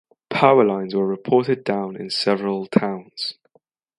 Power lines were reported down in several towns.